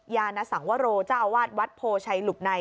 ยานสังวโรเจ้าอาวาสวัดโพชัยหลุบใน